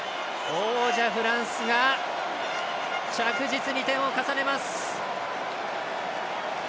王者フランスが着実に点を重ねます。